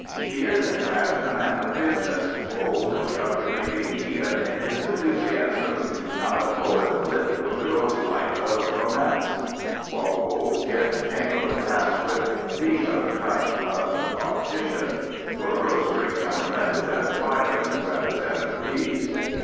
He is, in fact, a man of business, cold and calculating even in his enthusiasms, not a poet lit with the rose light of romance. Walpole, Pitt, Chamberlain, Asquith — ^these are the t5q>e of the politician. Lord Rosebery's temperament is that of Byron rather than of these.